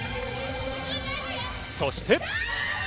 そして。